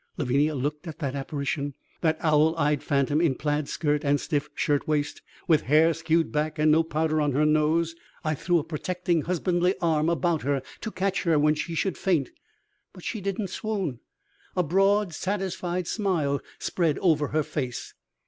Lavinia looked at that apparition, that owl eyed phantom, in plaid skirt and stiff shirtwaist, with hair skewed back and no powder on her nose. I threw a protecting husbandly arm about her to catch her when she should faint. But she didn't swoon. A broad, satisfied smile spread over her face.